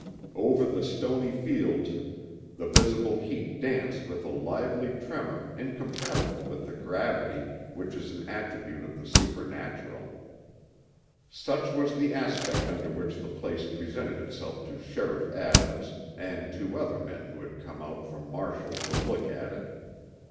Over the stony fields the visible heat danced with a lively tremor incompatible with the gravity which is an attribute of the supernatural. Such was the aspect under which the place presented itself to Sheriff Adams and two other men who had come out from Marshall to look at it.